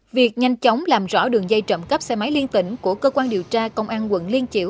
việc nhanh chóng làm rõ đường dây trộm cắp xe máy liên tỉnh của cơ quan điều tra công an quận liên triệu